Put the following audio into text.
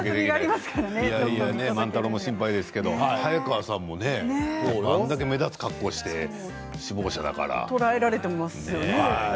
万太郎も心配ですけど早川さんもね、あれだけ目立つ格好をして捕らえられていますよね。